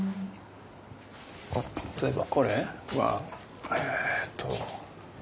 例えばこれはえっと。